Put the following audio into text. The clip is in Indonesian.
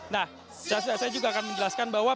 nah saya juga akan menjelaskan bahwa